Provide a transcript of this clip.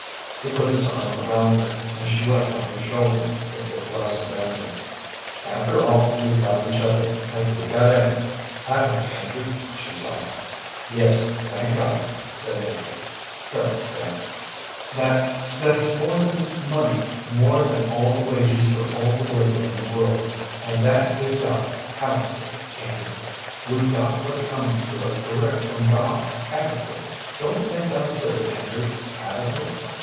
He put his arm around her, and she wept on his shoulder, but with less abandon. "After all, we've got each other, and we've got Ellen, haven't we, Andrew?" she sobbed. "Yes, thank God," said Andrew. "Don't, Fanny." "That that's more than money, more than all the wages for all the labor in the world, and that we've got, haven't we, Andrew? We've got what comes to us direct from God, haven't we? Don't think I'm silly, Andrew haven't we?"